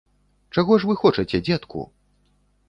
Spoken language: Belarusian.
Чаго ж вы хочаце, дзедку?